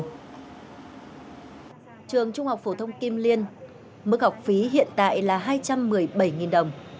trường trung học phổ thông kim liên mức học phí hiện tại là hai trăm một mươi bảy đồng